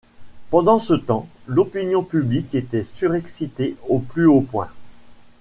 Pendant ce temps, l’opinion publique était surexcitée au plus haut point.